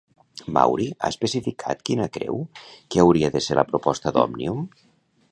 Mauri ha especificat quina creu que hauria de ser la resposta d'Òmnium?